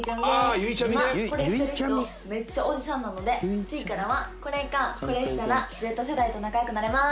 めっちゃおじさんなので次からはこれかこれしたらＺ世代と仲良くなれまーす。